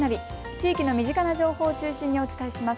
地域の身近な情報中心にお伝えします。